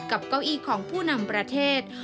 เก้าอี้ของผู้นำประเทศ